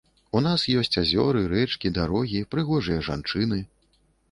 У нас ёсць азёры, рэчкі, дарогі, прыгожыя жанчыны.